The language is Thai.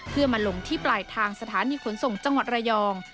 เพื่อมาลงที่ปลายทางสถานีขนส่งจังหวัดระยอง